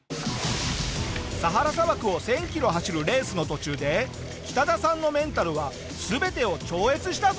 サハラ砂漠を１０００キロ走るレースの途中でキタダさんのメンタルは全てを超越したぞ！